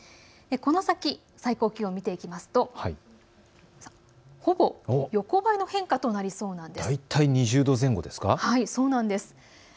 この先、最高気温を見ていきますとほぼ横ばいの変化となりそうなんです。